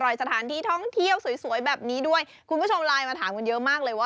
อย่าเพิ่งเปลี่ยนเข้าไปไหนนะครับ